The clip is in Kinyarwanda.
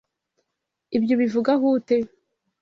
Ibyo ubivugaho ute?